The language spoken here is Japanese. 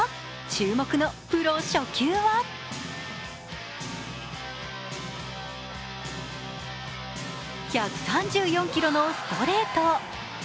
注目のプロ初球は１３４キロのストレート。